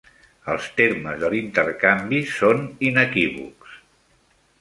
Els termes de l'intercanvi són inequívocs.